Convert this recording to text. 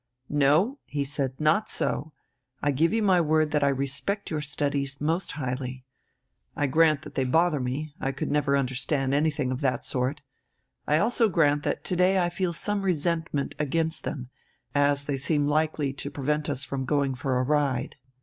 "No," he said, "not so! I give you my word that I respect your studies most highly. I grant that they bother me, I could never understand anything of that sort. I also grant that to day I feel some resentment against them, as they seem likely to prevent us from going for a ride."